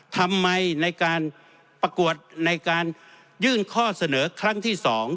ทำไมในการประกวดในการยื่นข้อเสนอครั้งที่๒